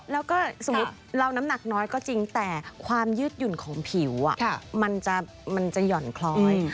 แล้วก็สมมุติเราน้ำหนักน้อยก็จริงแต่ความยืดหยุ่นของผิวมันจะหย่อนคล้อย